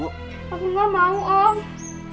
aku gak mau om